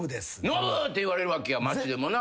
ノブって言われるわけや街でもな。